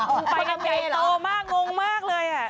มึงไปใหญ่โตมากงงมากเลย